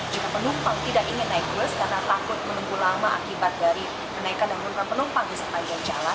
jika penumpang tidak ingin naik bus karena takut menunggu lama akibat dari kenaikan dan menurunkan penumpang di sepanjang jalan